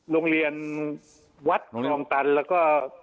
โรงเรียนวัดคลองตันแล้วก็